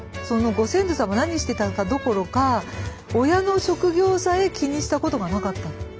ご先祖様何してたかどころか親の職業さえ気にしたことがなかった。